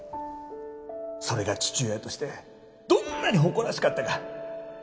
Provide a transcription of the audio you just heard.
それが父親としてどんなに誇らしかったか。